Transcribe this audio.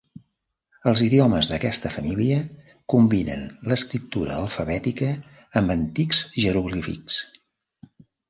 Els idiomes d'aquesta família combinen l'escriptura alfabètica amb antics jeroglífics.